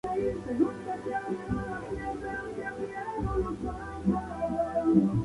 Si el valor inicial es cero, entonces no se puede calcular el retorno.